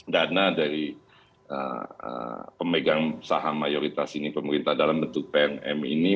dana dari pemegang saham mayoritas ini pemerintah dalam bentuk pnm ini